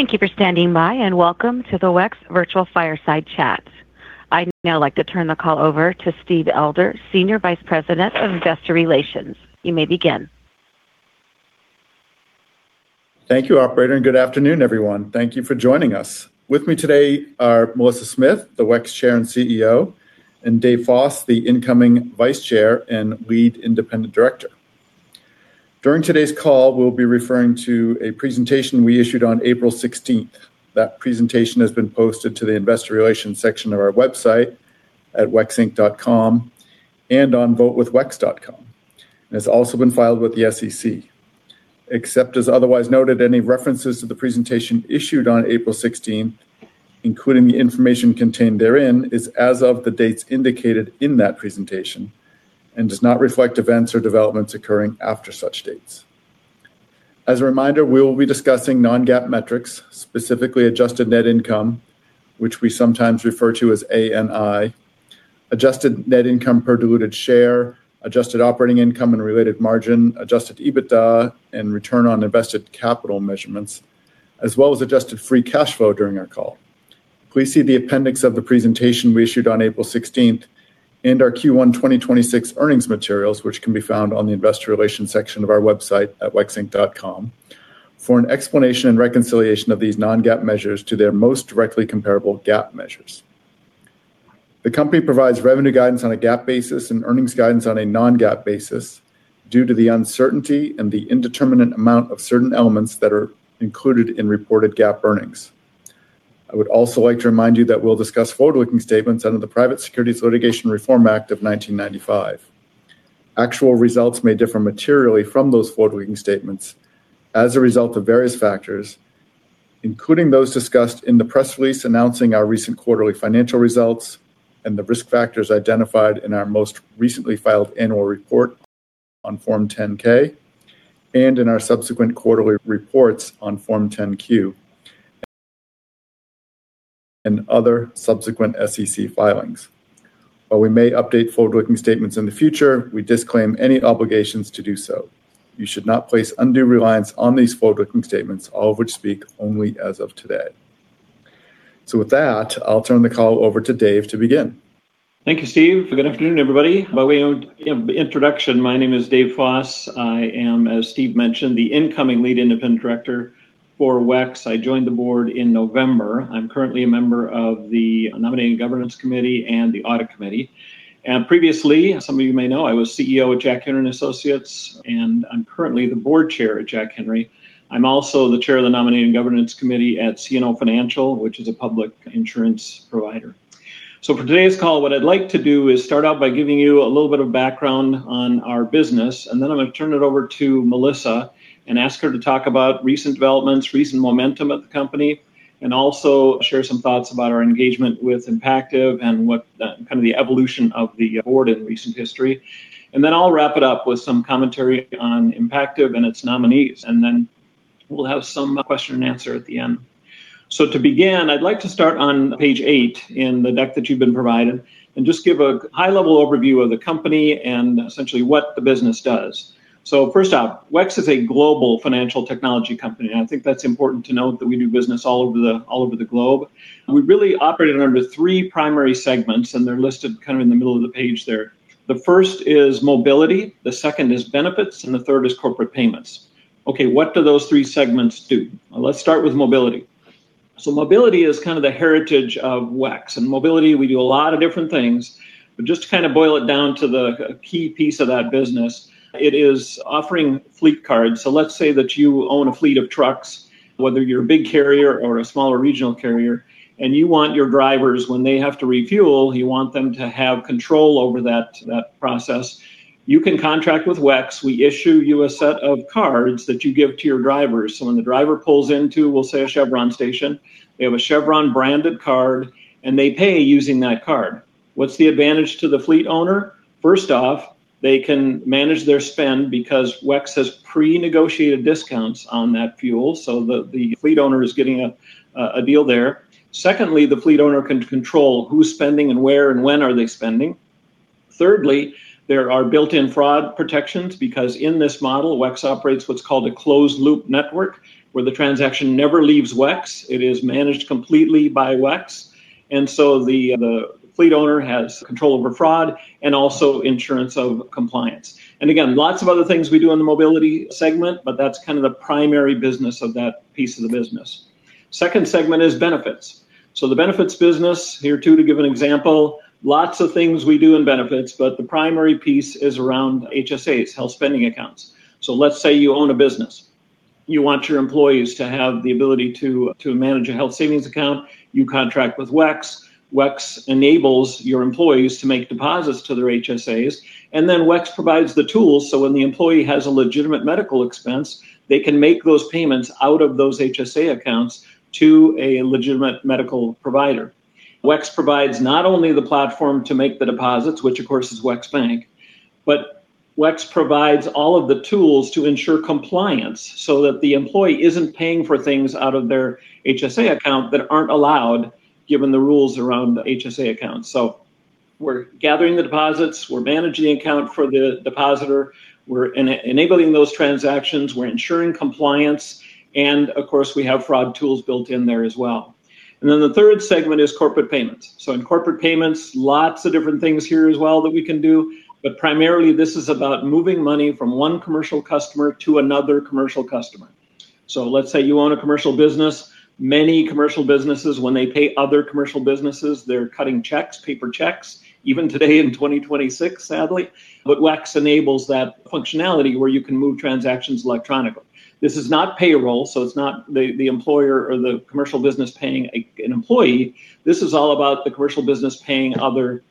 Thank you for standing by, and welcome to the WEX Virtual Fireside Chat. I'd now like to turn the call over to Steve Elder, Senior Vice President of Investor Relations. You may begin. Thank you, operator, and good afternoon, everyone. Thank you for joining us. With me today are Melissa Smith, the WEX Chair and CEO, and Dave Foss, the incoming Vice Chair and Lead Independent Director. During today's call, we'll be referring to a presentation we issued on April 16th. That presentation has been posted to the investor relations section of our website at wexinc.com and on votewithwex.com. It's also been filed with the SEC. Except as otherwise noted, any references to the presentation issued on April 16, including the information contained therein, is as of the dates indicated in that presentation and does not reflect events or developments occurring after such dates. As a reminder, we will be discussing non-GAAP metrics, specifically adjusted net income, which we sometimes refer to as ANI, adjusted net income per diluted share, adjusted operating income and related margin, Adjusted EBITDA and return on invested capital measurements, as well as adjusted free cash flow during our call. Please see the appendix of the presentation we issued on April 16th and our Q1 2026 earnings materials, which can be found on the investor relations section of our website at wexinc.com, for an explanation and reconciliation of these non-GAAP measures to their most directly comparable GAAP measures. The company provides revenue guidance on a GAAP basis and earnings guidance on a non-GAAP basis due to the uncertainty and the indeterminant amount of certain elements that are included in reported GAAP earnings. I would also like to remind you that we'll discuss forward-looking statements under the Private Securities Litigation Reform Act of 1995. Actual results may differ materially from those forward-looking statements as a result of various factors, including those discussed in the press release announcing our recent quarterly financial results and the risk factors identified in our most recently filed annual report on Form 10-K and in our subsequent quarterly reports on Form 10-Q and other subsequent SEC filings. While we may update forward-looking statements in the future, we disclaim any obligations to do so. You should not place undue reliance on these forward-looking statements, all of which speak only as of today. With that, I'll turn the call over to Dave to begin. Thank you, Steve. Good afternoon, everybody. By way of introduction, my name is Dave Foss. I am, as Steve mentioned, the incoming Lead Independent Director for WEX. I joined the board in November. I'm currently a member of the Nominating and Governance Committee and the Audit Committee. Previously, some of you may know, I was CEO at Jack Henry & Associates, and I'm currently the Board Chair at Jack Henry. I'm also the Chair of the Nominating and Governance Committee at CNO Financial, which is a public insurance provider. For today's call, what I'd like to do is start out by giving you a little bit of background on our business, and then I'm gonna turn it over to Melissa and ask her to talk about recent developments, recent momentum at the company, and also share some thoughts about our engagement with Impactive and what the Kind of the evolution of the board in recent history. Then I'll wrap it up with some commentary on Impactive and its nominees, and then we'll have some question and answer at the end. To begin, I'd like to start on page eight in the deck that you've been provided and just give a high-level overview of the company and essentially what the business does. First off, WEX is a global financial technology company, and I think that's important to note that we do business all over the, all over the globe. We really operate under three primary segments, and they're listed kind of in the middle of the page there. The first is Mobility, the second is Benefits, and the third is Corporate Payments. Okay, what do those three segments do? Let's start with Mobility. Mobility is kind of the heritage of WEX. In Mobility, we do a lot of different things, but just to kind of boil it down to the key piece of that business, it is offering fleet cards. Let's say that you own a fleet of trucks, whether you're a big carrier or a smaller regional carrier, and you want your drivers, when they have to refuel, you want them to have control over that process. You can contract with WEX. We issue you a set of cards that you give to your drivers. When the driver pulls into, we'll say, a Chevron station, they have a Chevron-branded card, and they pay using that card. What's the advantage to the fleet owner? First off, they can manage their spend because WEX has pre-negotiated discounts on that fuel, so the fleet owner is getting a deal there. Secondly, the fleet owner can control who's spending and where and when are they spending. Thirdly, there are built-in fraud protections because in this model, WEX operates what's called a closed-loop network where the transaction never leaves WEX. It is managed completely by WEX. The fleet owner has control over fraud and also insurance of compliance. Again, lots of other things we do in the Mobility segment, but that's kind of the primary business of that piece of the business. Second segment is Benefits. The Benefits business, here too to give an example, lots of things we do in Benefits, but the primary piece is around HSAs, health spending accounts. Let's say you own a business. You want your employees to have the ability to manage a health savings account. You contract with WEX. WEX enables your employees to make deposits to their HSAs, and then WEX provides the tools so when the employee has a legitimate medical expense, they can make those payments out of those HSA accounts to a legitimate medical provider. WEX provides not only the platform to make the deposits, which of course is WEX Bank, but WEX provides all of the tools to ensure compliance so that the employee isn't paying for things out of their HSA account that aren't allowed given the rules around the HSA account. We're gathering the deposits, we're managing the account for the depositor, we're enabling those transactions, we're ensuring compliance, and of course, we have fraud tools built in there as well. The third segment is Corporate Payments. In Corporate Payments, lots of different things here as well that we can do, but primarily this is about moving money from one commercial customer to another commercial customer. Let's say you own a commercial business. Many commercial businesses, when they pay other commercial businesses, they're cutting checks, paper checks, even today in 2026, sadly. WEX enables that functionality where you can move transactions electronically. This is not payroll, so it's not the employer or the commercial business paying an employee. This is all about the commercial business paying other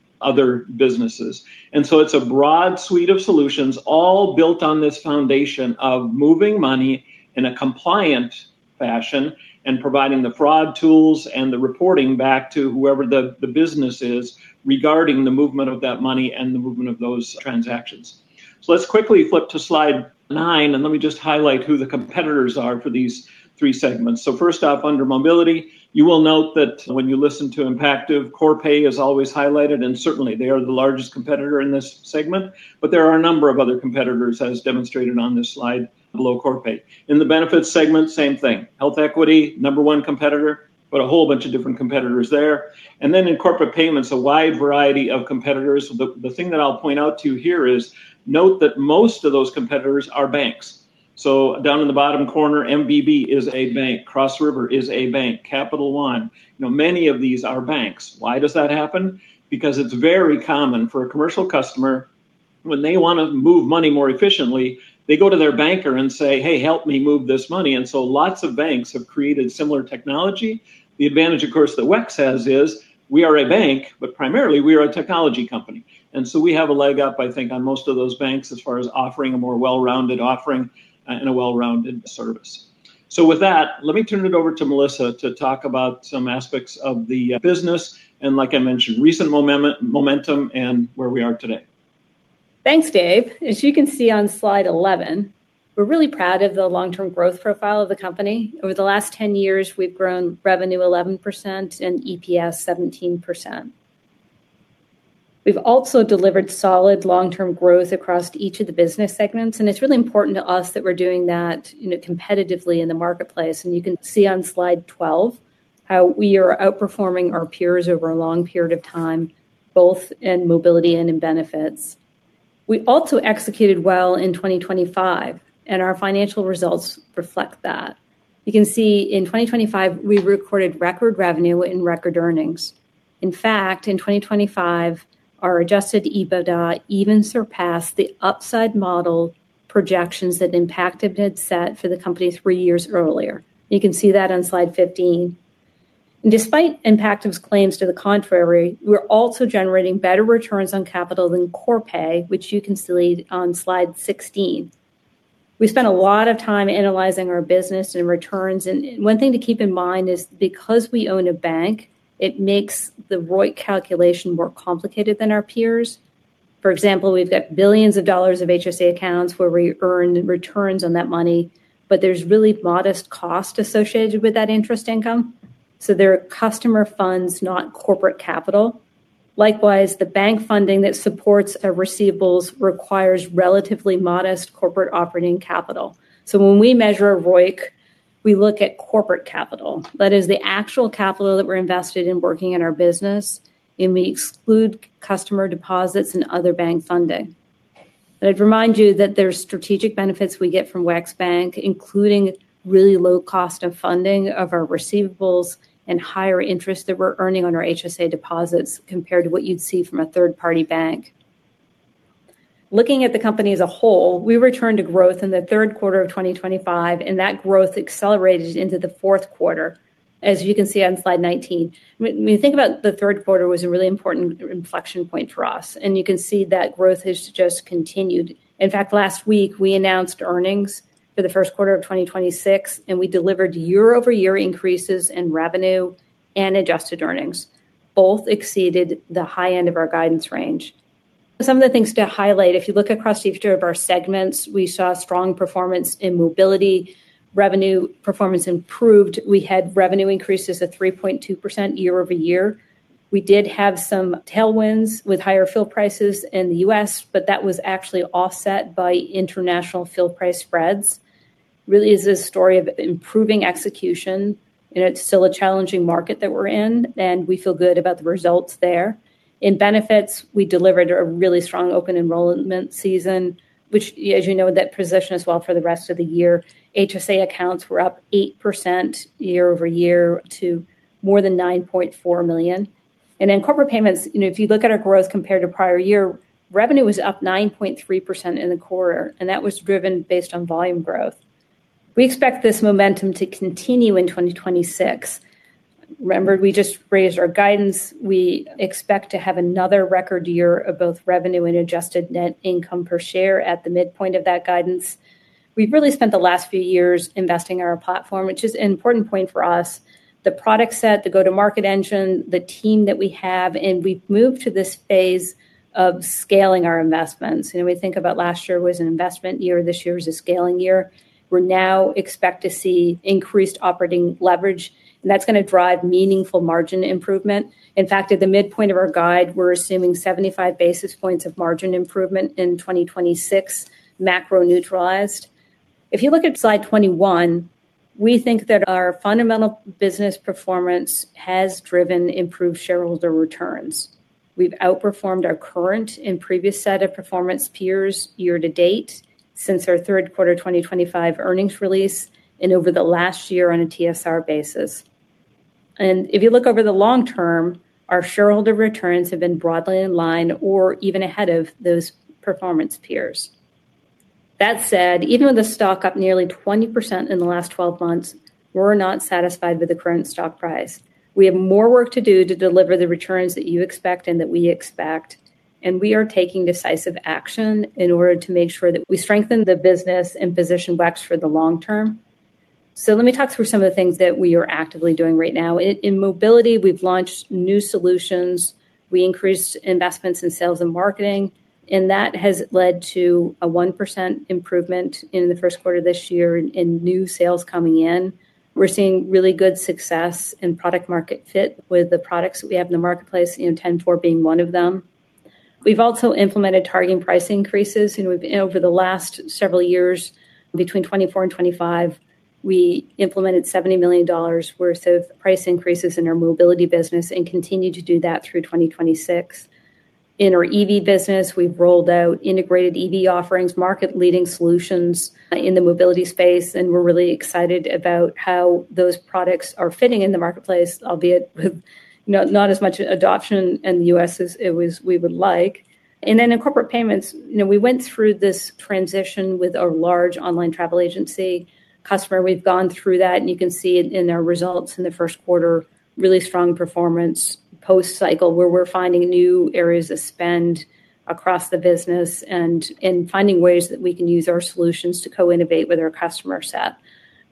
businesses. It's a broad suite of solutions all built on this foundation of moving money in a compliant fashion and providing the fraud tools and the reporting back to whoever the business is regarding the movement of that money and the movement of those transactions. Let's quickly flip to slide nine, and let me just highlight who the competitors are for these three segments. First up, under Mobility, you will note that when you listen to Impactive, Corpay is always highlighted, and certainly they are the largest competitor in this segment. But there are a number of other competitors, as demonstrated on this slide, below Corpay. In the Benefits segment, same thing. HealthEquity, number one competitor, but a whole bunch of different competitors there. Then in Corporate Payments, a wide variety of competitors. The thing that I'll point out to you here is note that most of those competitors are banks. Down in the bottom corner, M&T Bank is a bank. Cross River is a bank. Capital One. You know, many of these are banks. Why does that happen? Because it's very common for a commercial customer when they want to move money more efficiently, they go to their banker and say, "Hey, help me move this money." Lots of banks have created similar technology. The advantage, of course, that WEX has is we are a bank, but primarily we are a technology company. We have a leg up, I think, on most of those banks as far as offering a more well-rounded offering and a well-rounded service. With that, let me turn it over to Melissa to talk about some aspects of the business and like I mentioned, recent momentum and where we are today. Thanks, Dave. As you can see on slide 11, we're really proud of the long-term growth profile of the company. Over the last 10 years, we've grown revenue 11% and EPS 17%. We've also delivered solid long-term growth across each of the business segments, and it's really important to us that we're doing that, you know, competitively in the marketplace. You can see on slide 12 how we are outperforming our peers over a long period of time, both in Mobility and in Benefits. We also executed well in 2025, and our financial results reflect that. You can see in 2025, we recorded record revenue and record earnings. In fact, in 2025, our Adjusted EBITDA even surpassed the upside model projections that Impactive had set for the company three years earlier. You can see that on slide 15. Despite Impactive's claims to the contrary, we're also generating better returns on capital than Corpay, which you can see on slide 16. We spent a lot of time analyzing our business and returns, and one thing to keep in mind is because we own a bank, it makes the ROIC calculation more complicated than our peers. For example, we've got billions of dollars of HSA accounts where we earn returns on that money, but there's really modest cost associated with that interest income. They are customer funds, not corporate capital. Likewise, the bank funding that supports our receivables requires relatively modest corporate operating capital. When we measure ROIC, we look at corporate capital. That is the actual capital that we're invested in working in our business, and we exclude customer deposits and other bank funding. I'd remind you that there's strategic benefits we get from WEX Bank, including really low cost of funding of our receivables and higher interest that we're earning on our HSA deposits compared to what you'd see from a third-party bank. Looking at the company as a whole, we returned to growth in the third quarter of 2025, and that growth accelerated into the fourth quarter, as you can see on slide 19. When you think about the third quarter was a really important inflection point for us, and you can see that growth has just continued. In fact, last week we announced earnings for the first quarter of 2026, and we delivered year-over-year increases in revenue and adjusted earnings. Both exceeded the high end of our guidance range. Some of the things to highlight, if you look across each of our segments, we saw strong performance in Mobility. Revenue performance improved. We had revenue increases of 3.2% year-over-year. We did have some tailwinds with higher fuel prices in the U.S., but that was actually offset by international fuel price spreads. Really, it's a story of improving execution, and it's still a challenging market that we're in, and we feel good about the results there. In Benefits, we delivered a really strong open enrollment season, which, as you know, that positioned us well for the rest of the year. HSA accounts were up 8% year-over-year to more than 9.4 million. In Corporate Payments, you know, if you look at our growth compared to prior year, revenue was up 9.3% in the quarter, and that was driven based on volume growth. We expect this momentum to continue in 2026. Remember, we just raised our guidance. We expect to have another record year of both revenue and adjusted net income per share at the midpoint of that guidance. We've really spent the last few years investing in our platform, which is an important point for us. The product set, the go-to-market engine, the team that we have, and we've moved to this phase of scaling our investments. You know, we think about last year was an investment year, this year is a scaling year. We now expect to see increased operating leverage, and that's gonna drive meaningful margin improvement. In fact, at the midpoint of our guide, we're assuming 75 basis points of margin improvement in 2026, macro neutralized. If you look at slide 21, we think that our fundamental business performance has driven improved shareholder returns. We've outperformed our current and previous set of performance peers year to date since our third quarter 2025 earnings release and over the last year on a TSR basis. If you look over the long term, our shareholder returns have been broadly in line or even ahead of those performance peers. That said, even with the stock up nearly 20% in the last 12 months, we're not satisfied with the current stock price. We have more work to do to deliver the returns that you expect and that we expect, and we are taking decisive action in order to make sure that we strengthen the business and position WEX for the long term. Let me talk through some of the things that we are actively doing right now. In Mobility, we've launched new solutions. We increased investments in sales and marketing, and that has led to a 1% improvement in the first quarter this year in new sales coming in. We're seeing really good success in product market fit with the products that we have in the marketplace, you know, 10-4 being one of them. We've also implemented targeting price increases. You know, over the last several years, between 2024 and 2025, we implemented $70 million worth of price increases in our Mobility business and continue to do that through 2026. In our EV business, we've rolled out integrated EV offerings, market-leading solutions in the mobility space, and we're really excited about how those products are fitting in the marketplace, albeit with not as much adoption in the U.S. as we would like. In Corporate Payments, you know, we went through this transition with a large online travel agency customer. We've gone through that, and you can see it in our results in the first quarter, really strong performance post-cycle, where we're finding new areas of spend across the business and finding ways that we can use our solutions to co-innovate with our customer set.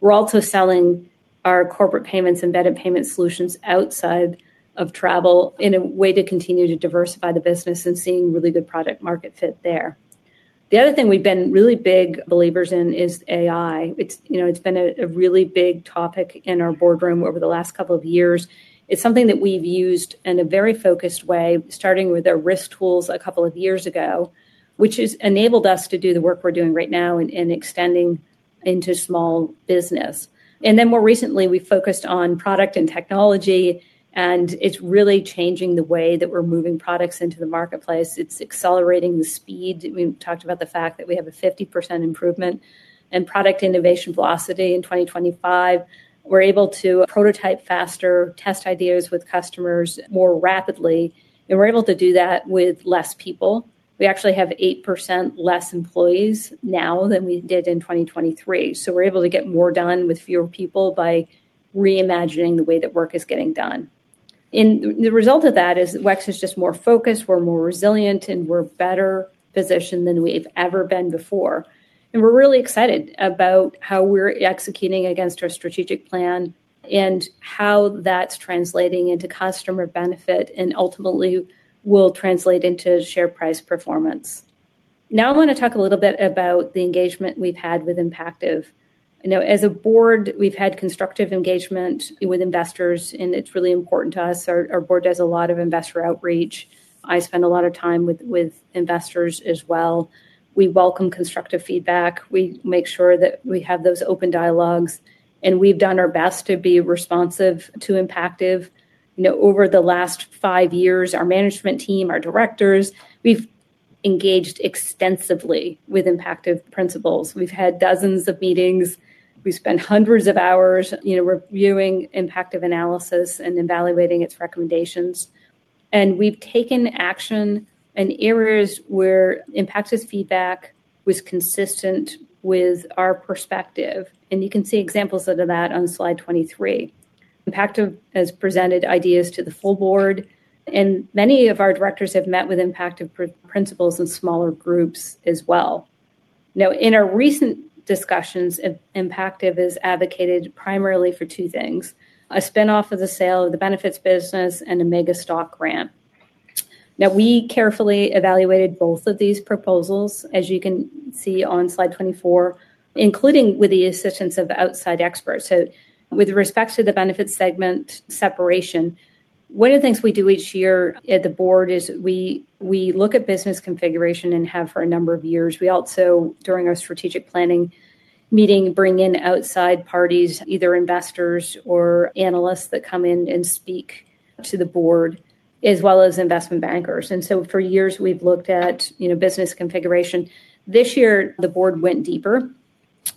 We're also selling our Corporate Payments, embedded payment solutions outside of travel in a way to continue to diversify the business and seeing really good product market fit there. The other thing we've been really big believers in is AI. It's, you know, it's been a really big topic in our boardroom over the last couple of years. It's something that we've used in a very focused way, starting with our risk tools a couple of years ago, which has enabled us to do the work we're doing right now in extending into small business. More recently, we focused on product and technology, and it's really changing the way that we're moving products into the marketplace. It's accelerating the speed. We've talked about the fact that we have a 50% improvement in product innovation velocity in 2025. We're able to prototype faster, test ideas with customers more rapidly, and we're able to do that with less people. We actually have 8% less employees now than we did in 2023. We're able to get more done with fewer people by reimagining the way that work is getting done. The result of that is WEX is just more focused, we're more resilient, and we're better positioned than we've ever been before. We're really excited about how we're executing against our strategic plan and how that's translating into customer benefit and ultimately will translate into share price performance. Now I want to talk a little bit about the engagement we've had with Impactive. You know, as a board, we've had constructive engagement with investors, and it's really important to us. Our board does a lot of investor outreach. I spend a lot of time with investors as well. We welcome constructive feedback. We make sure that we have those open dialogues, and we've done our best to be responsive to Impactive. You know, over the last five years, our management team, our directors, we've engaged extensively with Impactive principals. We've had dozens of meetings. We've spent hundreds of hours, you know, reviewing Impactive analysis and evaluating its recommendations. We've taken action in areas where Impactive's feedback was consistent with our perspective. You can see examples of that on slide 23. Impactive has presented ideas to the full board, and many of our directors have met with Impactive principals in smaller groups as well. Now, in our recent discussions, Impactive has advocated primarily for two things: a spin-off of the sale of the Benefits business and a mega-grant. Now, we carefully evaluated both of these proposals, as you can see on slide 24, including with the assistance of outside experts. With respect to the Benefits segment separation, one of the things we do each year at the board is we look at business configuration and have for a number of years. We also, during our strategic planning meeting, bring in outside parties, either investors or analysts that come in and speak to the board, as well as investment bankers. For years, we've looked at, you know, business configuration. This year, the board went deeper.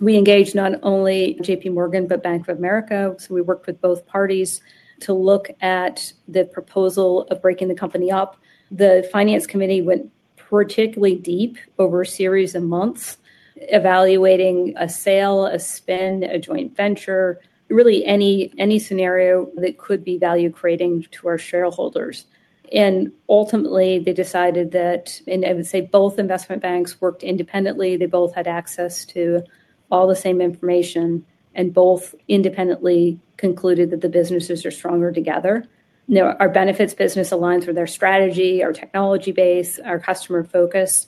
We engaged not only J.P. Morgan, but Bank of America, so we worked with both parties to look at the proposal of breaking the company up. The Finance Committee went particularly deep over a series of months, evaluating a sale, a spin, a joint venture, really any scenario that could be value-creating to our shareholders. Ultimately, they decided that, and I would say both investment banks worked independently. They both had access to all the same information, and both independently concluded that the businesses are stronger together. You know, our Benefits business aligns with our strategy, our technology base, our customer focus,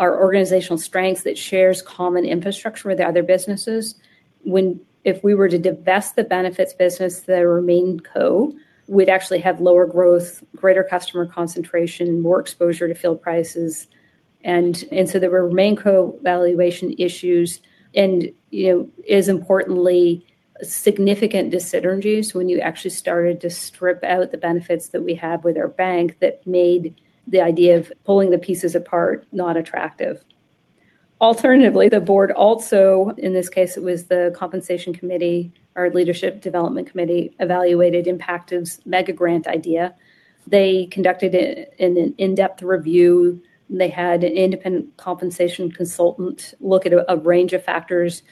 our organizational strengths that shares common infrastructure with our other businesses. If we were to divest the Benefits business, the remaining company we'd actually have lower growth, greater customer concentration, more exposure to fuel prices. The remaining company valuation issues and, you know, as importantly, significant dis-synergies when you actually started to strip out the benefits that we have with our bank that made the idea of pulling the pieces apart not attractive. Alternatively, the board also, in this case, it was the Compensation Committee, our Leadership Development Committee, evaluated Impactive's mega-grant idea. They conducted an in-depth review. They had an independent compensation consultant look at a range of factors.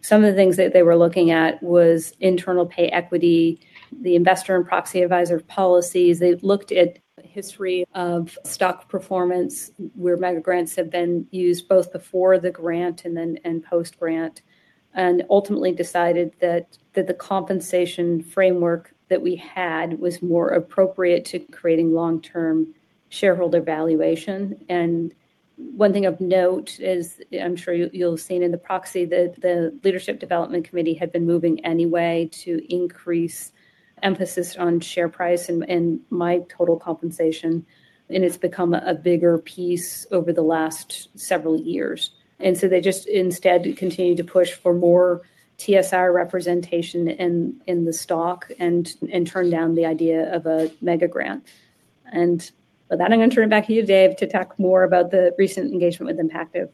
Some of the things that they were looking at was internal pay equity, the investor and proxy advisor policies. They looked at history of stock performance, where mega-grants have been used both before the grant and post-grant, and ultimately decided that the compensation framework that we had was more appropriate to creating long-term shareholder valuation. One thing of note is, I'm sure you'll have seen in the proxy, the Leadership Development Committee had been moving anyway to increase emphasis on share price and my total compensation, and it's become a bigger piece over the last several years. They just instead continued to push for more TSR representation in the stock and turned down the idea of a mega-grant. With that, I'm gonna turn it back to you, Dave, to talk more about the recent engagement with Impactive.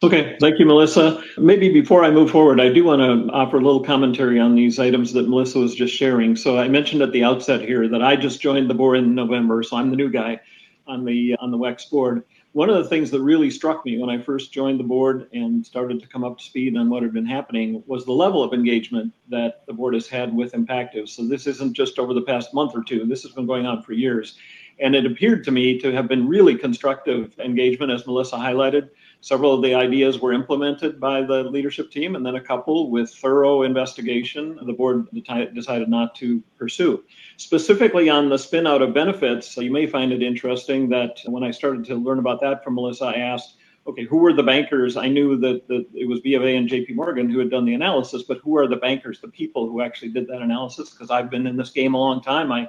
Okay. Thank you, Melissa. Maybe before I move forward, I do wanna offer a little commentary on these items that Melissa was just sharing. I mentioned at the outset here that I just joined the board in November, so I'm the new guy on the WEX board. One of the things that really struck me when I first joined the board and started to come up to speed on what had been happening was the level of engagement that the board has had with Impactive. This isn't just over the past month or two. This has been going on for years. It appeared to me to have been really constructive engagement, as Melissa highlighted. Several of the ideas were implemented by the leadership team, and then a couple with thorough investigation, the board decided not to pursue. Specifically on the spin-out of Benefits, you may find it interesting that when I started to learn about that from Melissa, I asked, "Okay, who are the bankers?" I knew that it was BofA and J.P. Morgan who had done the analysis, but who are the bankers, the people who actually did that analysis? 'Cause I've been in this game a long time. I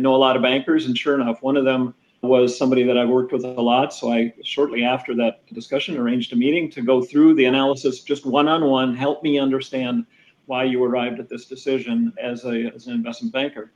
know a lot of bankers, and sure enough, one of them was somebody that I've worked with a lot. I shortly after that discussion arranged a meeting to go through the analysis just one-on-one, help me understand why you arrived at this decision as an investment banker.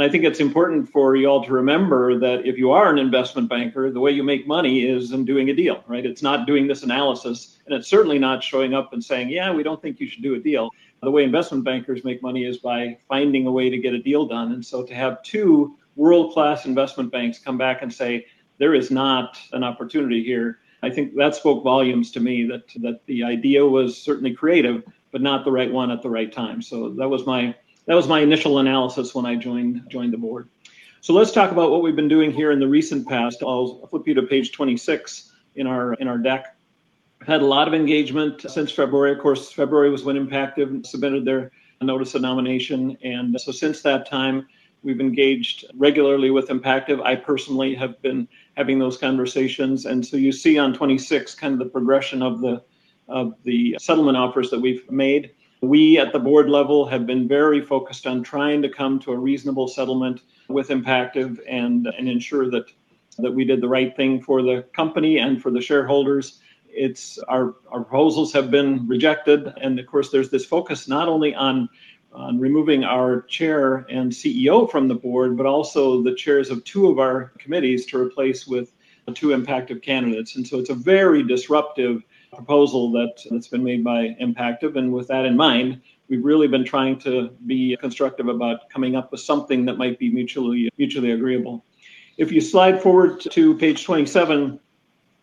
I think it's important for you all to remember that if you are an investment banker, the way you make money is in doing a deal, right? It's not doing this analysis, and it's certainly not showing up and saying, "Yeah, we don't think you should do a deal." The way investment bankers make money is by finding a way to get a deal done. To have two world-class investment banks come back and say, "There is not an opportunity here," I think that spoke volumes to me that the idea was certainly creative, but not the right one at the right time. That was my initial analysis when I joined the board. Let's talk about what we've been doing here in the recent past. I'll flip you to page 26 in our deck. We had a lot of engagement since February. Of course, February was when Impactive submitted their notice of nomination. Since that time, we've engaged regularly with Impactive. I personally have been having those conversations. You see on 26 kind of the progression of the settlement offers that we've made. We at the board level have been very focused on trying to come to a reasonable settlement with Impactive and ensure that we did the right thing for the company and for the shareholders. Our proposals have been rejected, and of course, there's this focus not only on removing our Chair and CEO from the board, but also the Chairs of two of our committees to replace with the two Impactive candidates. It's a very disruptive proposal that's been made by Impactive. With that in mind, we've really been trying to be constructive about coming up with something that might be mutually agreeable. If you slide forward to page 27,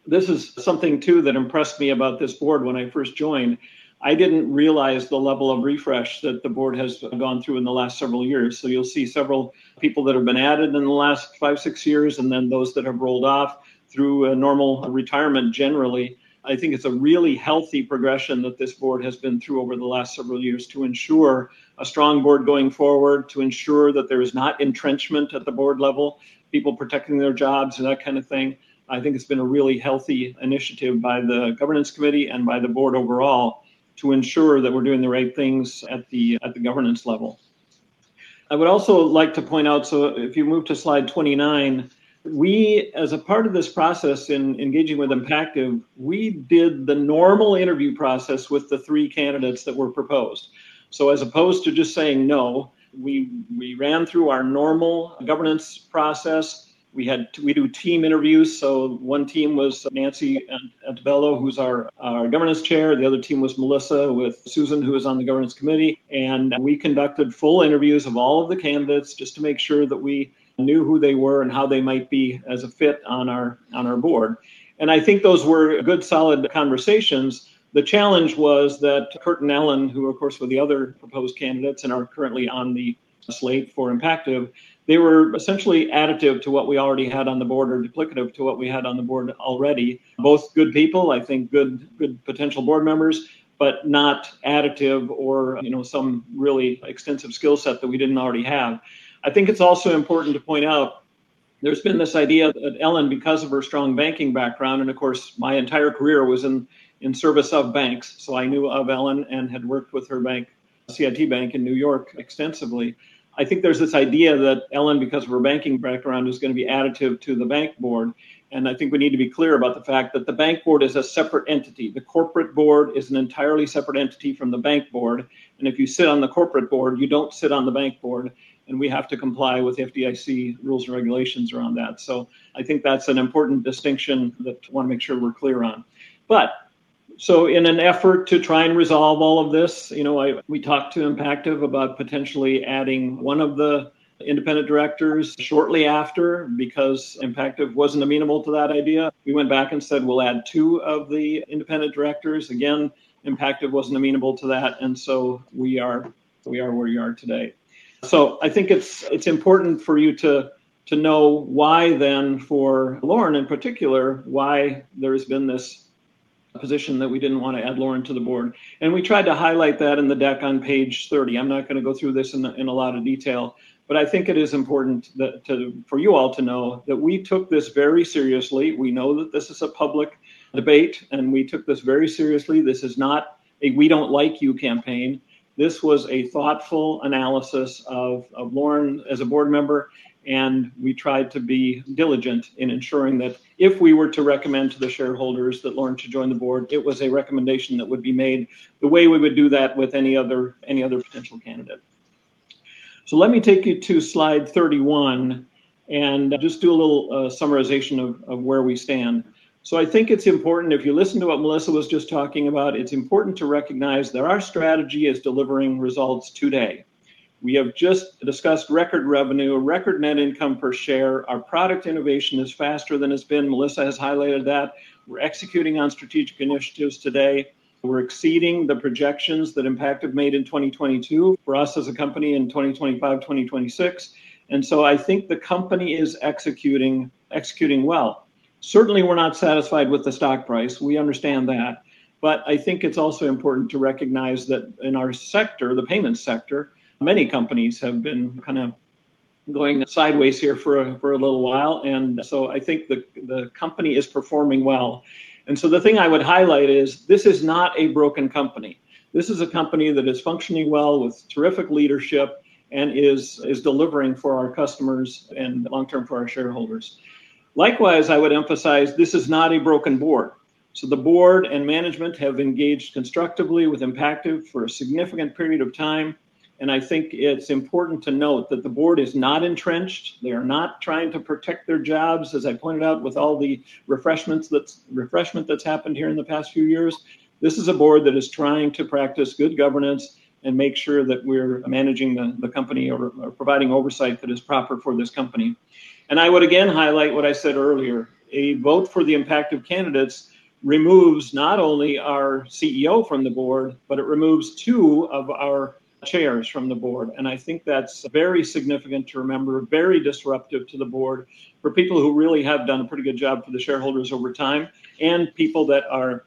this is something too that impressed me about this board when I first joined. I didn't realize the level of refresh that the board has gone through in the last several years. You'll see several people that have been added in the last five, six years, and then those that have rolled off through a normal retirement generally. I think it's a really healthy progression that this board has been through over the last several years to ensure a strong board going forward, to ensure that there is not entrenchment at the board level, people protecting their jobs, and that kind of thing. I think it's been a really healthy initiative by the governance committee and by the board overall to ensure that we're doing the right things at the governance level. I would also like to point out, so if you move to slide 29, we as a part of this process in engaging with Impactive, we did the normal interview process with the three candidates that were proposed. As opposed to just saying no, we ran through our normal governance process. We do team interviews, so one team was Nancy Altobello, who's our governance chair. The other team was Melissa with Susan, who is on the governance committee. We conducted full interviews of all of the candidates just to make sure that we knew who they were and how they might be as a fit on our board. I think those were good, solid conversations. The challenge was that Kurt and Ellen, who of course were the other proposed candidates and are currently on the slate for Impactive, they were essentially additive to what we already had on the board or duplicative to what we had on the board already. Both good people, I think good potential board members, but not additive or, you know, some really extensive skill set that we didn't already have. I think it's also important to point out there's been this idea that Ellen, because of her strong banking background, and of course my entire career was in service of banks, so I knew of Ellen and had worked with her bank, CIT Bank in New York, extensively. I think there's this idea that Ellen, because of her banking background, is gonna be additive to the bank board, and I think we need to be clear about the fact that the bank board is a separate entity. The corporate board is an entirely separate entity from the bank board, and if you sit on the corporate board, you don't sit on the bank board, and we have to comply with FDIC rules and regulations around that. I think that's an important distinction that I wanna make sure we're clear on. In an effort to try and resolve all of this, you know, we talked to Impactive about potentially adding one of the independent directors shortly after. Because Impactive wasn't amenable to that idea, we went back and said, "We'll add two of the independent directors." Again, Impactive wasn't amenable to that, and so we are where we are today. I think it's important for you to know why then for Lauren in particular, why there's been this position that we didn't wanna add Lauren to the board. We tried to highlight that in the deck on page 30. I'm not gonna go through this in a lot of detail, but I think it is important that for you all to know that we took this very seriously. We know that this is a public debate, and we took this very seriously. This is not a we don't like you campaign. This was a thoughtful analysis of Lauren as a board member, and we tried to be diligent in ensuring that if we were to recommend to the shareholders that Lauren should join the board, it was a recommendation that would be made the way we would do that with any other potential candidate. Let me take you to slide 31 and just do a little summarization of where we stand. I think it's important, if you listen to what Melissa was just talking about, it's important to recognize that our strategy is delivering results today. We have just discussed record revenue, record net income per share. Our product innovation is faster than it's been. Melissa has highlighted that. We're executing on strategic initiatives today. We're exceeding the projections that Impactive made in 2022 for us as a company in 2025, 2026. I think the company is executing well. Certainly we're not satisfied with the stock price. We understand that. I think it's also important to recognize that in our sector, the payments sector, many companies have been kind of going sideways here for a little while. I think the company is performing well. The thing I would highlight is this is not a broken company. This is a company that is functioning well with terrific leadership and is delivering for our customers and long-term for our shareholders. Likewise, I would emphasize this is not a broken board. The board and management have engaged constructively with Impactive for a significant period of time, and I think it's important to note that the board is not entrenched. They are not trying to protect their jobs. As I pointed out, with all the refreshment that's happened here in the past few years, this is a board that is trying to practice good governance and make sure that we're managing the company or providing oversight that is proper for this company. I would again highlight what I said earlier. A vote for the Impactive candidates removes not only our CEO from the board, but it removes two of our chairs from the board. I think that's very significant to remember, very disruptive to the board for people who really have done a pretty good job for the shareholders over time and people that are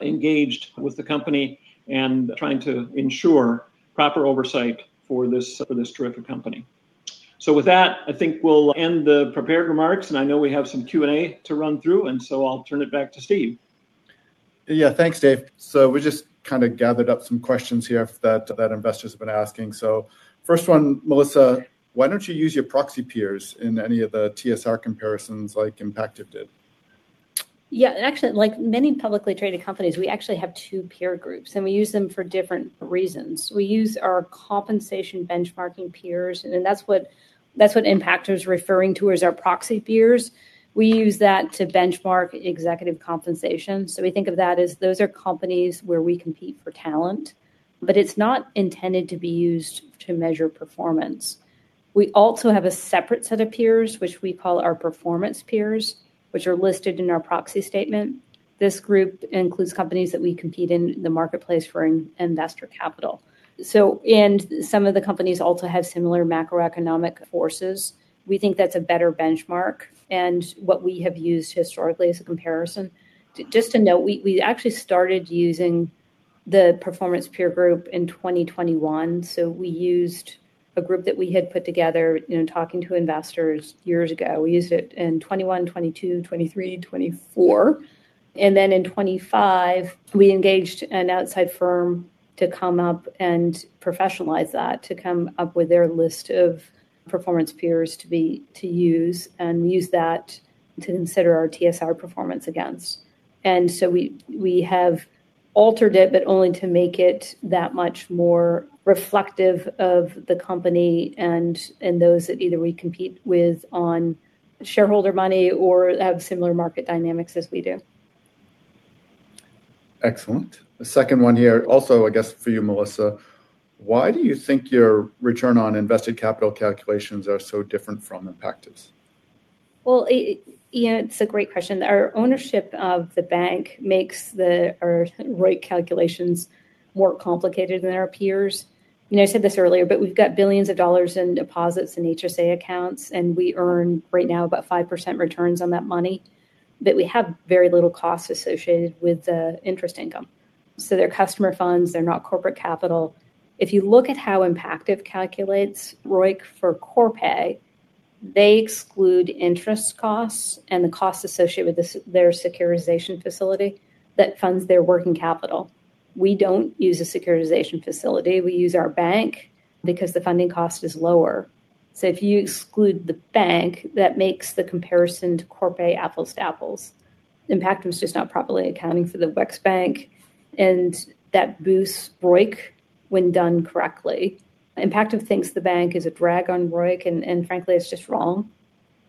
engaged with the company and trying to ensure proper oversight for this terrific company. With that, I think we'll end the prepared remarks, and I know we have some Q&A to run through, and I'll turn it back to Steve. Yeah. Thanks, Dave. We just kind of gathered up some questions here that investors have been asking. First one, Melissa, why don't you use your proxy peers in any of the TSR comparisons like Impactive did? Yeah. Actually, like many publicly traded companies, we actually have two peer groups, and we use them for different reasons. We use our compensation benchmarking peers, and that's what, that's what Impactive's referring to as our proxy peers. We use that to benchmark executive compensation, so we think of that as those are companies where we compete for talent. But it's not intended to be used to measure performance. We also have a separate set of peers, which we call our performance peers, which are listed in our proxy statement. This group includes companies that we compete in the marketplace for investor capital. Some of the companies also have similar macroeconomic forces. We think that's a better benchmark and what we have used historically as a comparison. Just to note, we actually started using the performance peer group in 2021, so we used a group that we had put together, you know, talking to investors years ago. We used it in 2021, 2022, 2023, 2024, and then in 2025 we engaged an outside firm to come up and professionalize that, to come up with their list of performance peers to be, to use and use that to consider our TSR performance against. We have altered it, but only to make it that much more reflective of the company and those that either we compete with on shareholder money or have similar market dynamics as we do. Excellent. The second one here, also, I guess, for you, Melissa: Why do you think your return on invested capital calculations are so different from Impactive's? Well, Ian, it's a great question. Our ownership of the bank makes our ROIC calculations more complicated than our peers. You know, I said this earlier, but we've got billions of dollars in deposits and HSA accounts, and we earn right now about 5% returns on that money, but we have very little cost associated with the interest income. They're customer funds, they're not corporate capital. If you look at how Impactive calculates ROIC for Corpay, they exclude interest costs and the costs associated with their securitization facility that funds their working capital. We don't use a securitization facility. We use our bank because the funding cost is lower. If you exclude the bank, that makes the comparison to Corpay apples to apples. Impactive's just not properly accounting for the WEX Bank, and that boosts ROIC when done correctly. Impactive thinks the bank is a drag on ROIC and frankly, it's just wrong.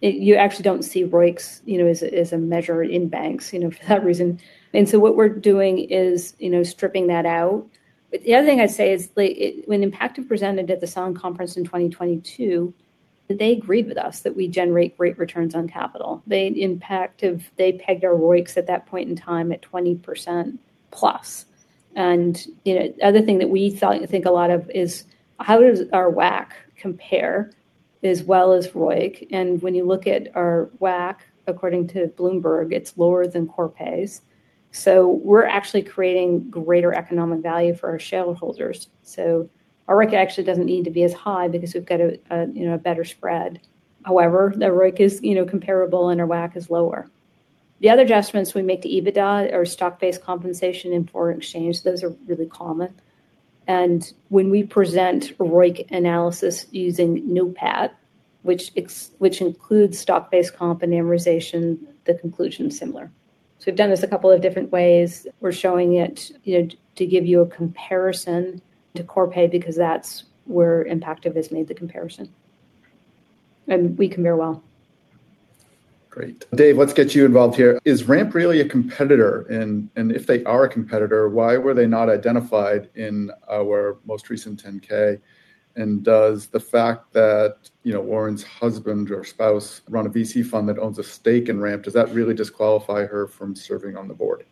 You actually don't see ROICs, you know, as a measure in banks, you know, for that reason. What we're doing is, you know, stripping that out. But the other thing I'd say is when Impactive presented at the Sohn Conference in 2022, they agreed with us that we generate great returns on capital. Impactive, they pegged our ROICs at that point in time at 20%+. You know, other thing that we think a lot of is how does our WACC compare as well as ROIC? When you look at our WACC, according to Bloomberg, it's lower than Corpay's. We're actually creating greater economic value for our shareholders. Our ROIC actually doesn't need to be as high because we've got a you know a better spread. However, the ROIC is, you know, comparable and our WACC is lower. The other adjustments we make to EBITDA are stock-based compensation and foreign exchange. Those are really common. When we present ROIC analysis using NOPAT, which includes stock-based comp and amortization, the conclusion is similar. We've done this a couple of different ways. We're showing it, you know, to give you a comparison to Corpay because that's where Impactive has made the comparison. We compare well. Great. Dave, let's get you involved here. Is Ramp really a competitor? If they are a competitor, why were they not identified in our most recent 10-K? Does the fact that, you know, Lauren's husband or spouse run a VC fund that owns a stake in Ramp, does that really disqualify her from serving on the board?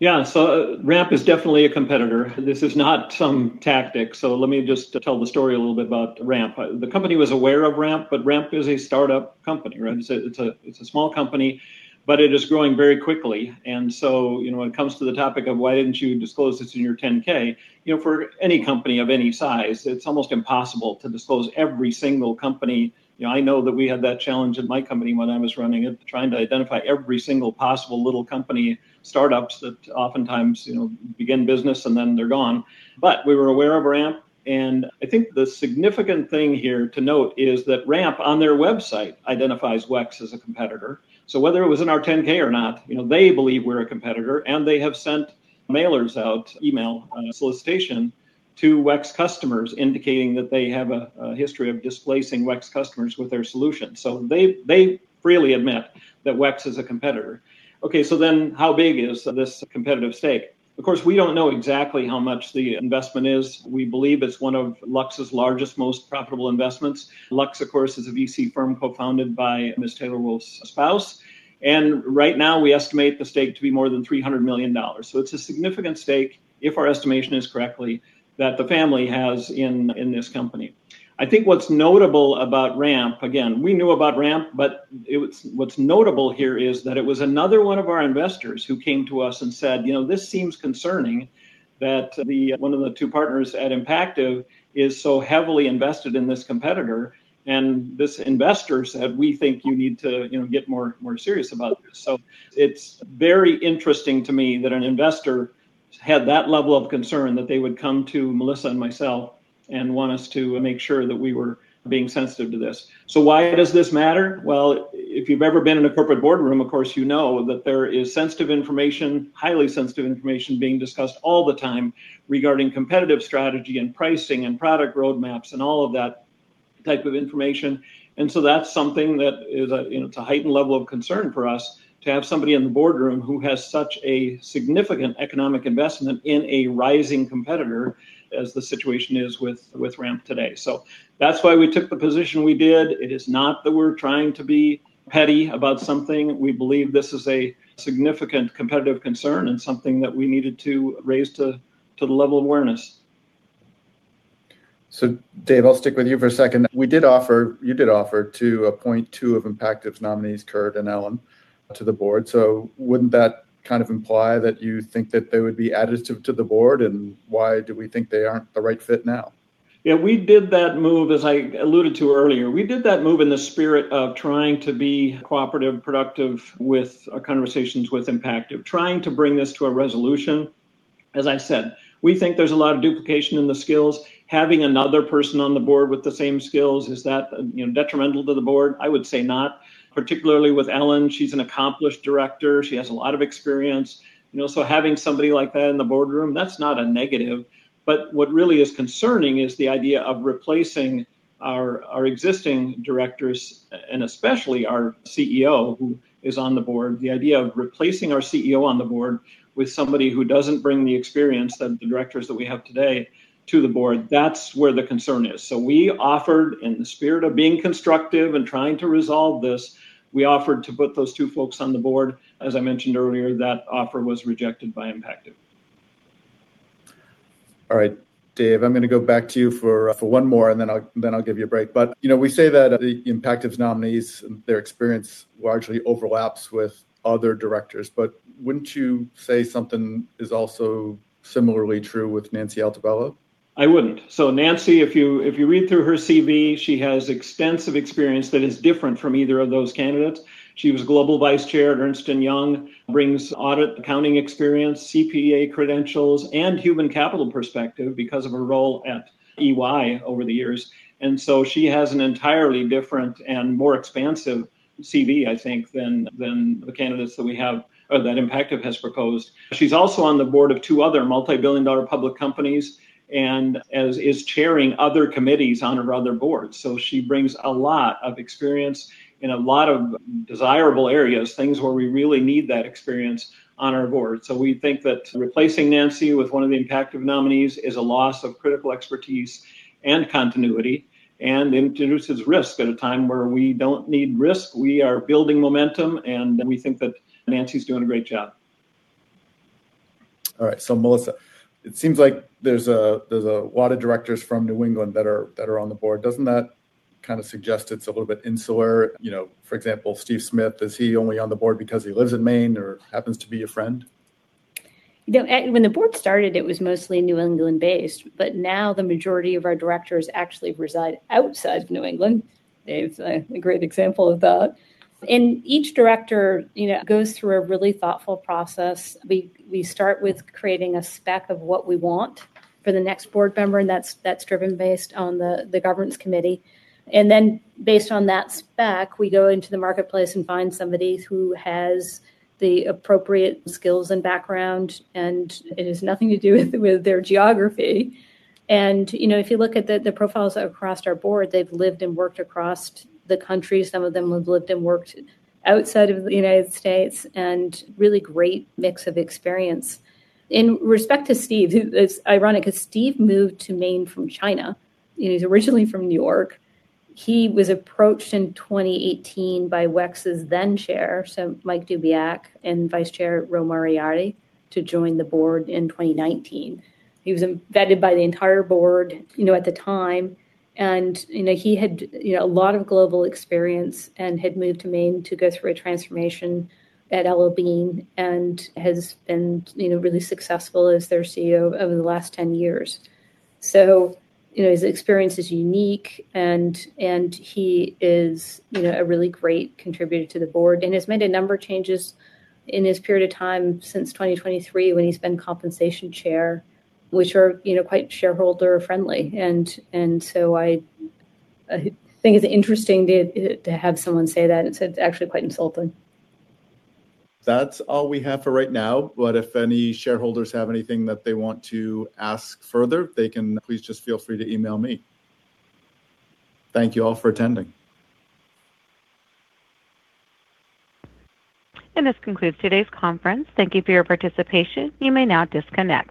Yeah. Ramp is definitely a competitor. This is not some tactic, so let me just tell the story a little bit about Ramp. The company was aware of Ramp, but Ramp is a startup company, right? It's a small company, but it is growing very quickly. You know, when it comes to the topic of why didn't you disclose this in your 10-K, you know, for any company of any size, it's almost impossible to disclose every single company. You know, I know that we had that challenge at my company when I was running it, trying to identify every single possible little company, startups that oftentimes, you know, begin business and then they're gone. We were aware of Ramp, and I think the significant thing here to note is that Ramp, on their website, identifies WEX as a competitor. Whether it was in our 10-K or not, you know, they believe we're a competitor, and they have sent mailers out, email, solicitation to WEX customers indicating that they have a history of displacing WEX customers with their solution. They freely admit that WEX is a competitor. Okay, how big is this competitive stake? Of course, we don't know exactly how much the investment is. We believe it's one of Lux's largest, most profitable investments. Lux, of course, is a VC firm co-founded by Ms. Taylor Wolfe's spouse. Right now we estimate the stake to be more than $300 million. It's a significant stake, if our estimation is correct, that the family has in this company. I think what's notable about Ramp, again, we knew about Ramp, but what's notable here is that it was another one of our investors who came to us and said, "You know, this seems concerning that the, one of the two partners at Impactive is so heavily invested in this competitor." This investor said, "We think you need to, you know, get more serious about this." It's very interesting to me that an investor had that level of concern that they would come to Melissa and myself and want us to make sure that we were being sensitive to this. Why does this matter? Well, if you've ever been in a corporate boardroom, of course, you know that there is sensitive information, highly sensitive information being discussed all the time regarding competitive strategy and pricing and product roadmaps and all of that type of information. That's something that is a, you know, it's a heightened level of concern for us to have somebody in the boardroom who has such a significant economic investment in a rising competitor as the situation is with Ramp today. That's why we took the position we did. It is not that we're trying to be petty about something. We believe this is a significant competitive concern and something that we needed to raise to the level of awareness. Dave, I'll stick with you for a second. You did offer to appoint two of Impactive's nominees, Kurt and Ellen, to the board. Wouldn't that kind of imply that you think that they would be additive to the board, and why do we think they aren't the right fit now? Yeah, we did that move, as I alluded to earlier, we did that move in the spirit of trying to be cooperative, productive with our conversations with Impactive, trying to bring this to a resolution. As I said, we think there's a lot of duplication in the skills. Having another person on the board with the same skills, is that, you know, detrimental to the board? I would say not, particularly with Ellen. She's an accomplished director. She has a lot of experience, you know. Having somebody like that in the boardroom, that's not a negative. What really is concerning is the idea of replacing our existing directors and especially our CEO who is on the board. The idea of replacing our CEO on the board with somebody who doesn't bring the experience that the directors that we have today to the board, that's where the concern is. We offered, in the spirit of being constructive and trying to resolve this, we offered to put those two folks on the board. As I mentioned earlier, that offer was rejected by Impactive. All right, Dave, I'm gonna go back to you for one more, and then I'll give you a break. You know, we say that the Impactive's nominees, their experience largely overlaps with other directors, but wouldn't you say something is also similarly true with Nancy Altobello? I wouldn't. Nancy, if you read through her CV, she has extensive experience that is different from either of those candidates. She was Global Vice Chair at Ernst & Young, brings audit, accounting experience, CPA credentials, and human capital perspective because of her role at EY over the years. She has an entirely different and more expansive CV, I think, than the candidates that we have or that Impactive has proposed. She's also on the board of two other multi-billion dollar public companies and she is chairing other committees on her other boards. She brings a lot of experience in a lot of desirable areas, things where we really need that experience on our board. We think that replacing Nancy with one of the Impactive nominees is a loss of critical expertise and continuity and introduces risk at a time where we don't need risk. We are building momentum, and we think that Nancy's doing a great job. All right. Melissa, it seems like there's a lot of directors from New England that are on the board. Doesn't that kind of suggest it's a little bit insular? You know, for example, Steve Smith, is he only on the board because he lives in Maine or happens to be a friend? You know, when the board started, it was mostly New England-based, but now the majority of our directors actually reside outside of New England. Dave's a great example of that. Each director, you know, goes through a really thoughtful process. We start with creating a spec of what we want for the next board member, and that's driven based on the governance committee. Then based on that spec, we go into the marketplace and find somebody who has the appropriate skills and background, and it has nothing to do with their geography. You know, if you look at the profiles across our board, they've lived and worked across the country. Some of them have lived and worked outside of the United States, and really great mix of experience. In respect to Steve, who it's ironic 'cause Steve moved to Maine from China, and he's originally from New York. He was approached in 2018 by WEX's then Chair, so Michael Dubyak, and Vice Chair Ro Moriarty to join the board in 2019. He was vetted by the entire board, you know, at the time, and, you know, he had, you know, a lot of global experience and had moved to Maine to go through a transformation at L.L.Bean and has been, you know, really successful as their CEO over the last 10 years. You know, his experience is unique and he is, you know, a really great contributor to the board and has made a number of changes in his period of time since 2023 when he's been Compensation Chair, which are, you know, quite shareholder-friendly. I think it's interesting to have someone say that. It's actually quite insulting. That's all we have for right now. If any shareholders have anything that they want to ask further, they can please just feel free to email me. Thank you all for attending. This concludes today's conference. Thank you for your participation. You may now disconnect.